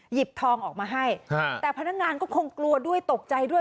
หยิบทองออกมาให้แต่พนักงานก็คงกลัวด้วยตกใจด้วย